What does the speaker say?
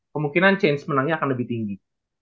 kemungkinan chance menangnya akan lebih tinggi